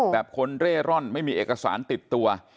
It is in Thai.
คนเร่ร่อนไม่มีเอกสารติดตัว